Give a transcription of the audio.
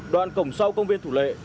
đoạn cổng sau công viên thủ lệ